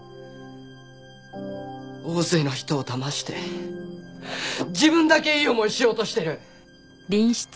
大勢の人をだまして自分だけいい思いしようとしてる！